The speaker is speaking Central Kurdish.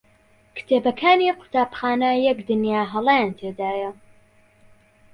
کتێبەکانی قوتابخانە یەک دنیا هەڵەیان تێدایە.